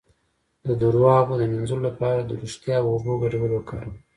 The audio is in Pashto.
د دروغ د مینځلو لپاره د ریښتیا او اوبو ګډول وکاروئ